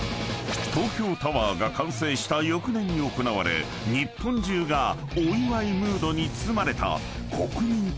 ［東京タワーが完成した翌年に行われ日本中がお祝いムードに包まれた国民的イベントとは？］